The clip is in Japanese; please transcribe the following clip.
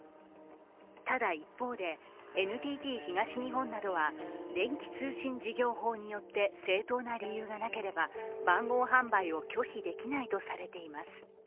ただ一方で、ＮＴＴ東日本などは電気通信事業法によって正当な理由がなければ番号販売を拒否できないとされています。